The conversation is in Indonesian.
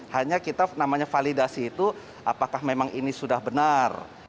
hanya kita namanya validasi itu apakah memang ini sudah benar